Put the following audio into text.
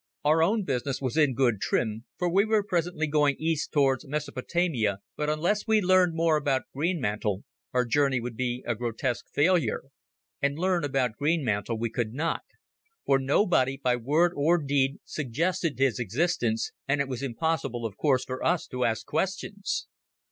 Our own business was in good trim, for we were presently going east towards Mesopotamia, but unless we learned more about Greenmantle our journey would be a grotesque failure. And learn about Greenmantle we could not, for nobody by word or deed suggested his existence, and it was impossible of course for us to ask questions.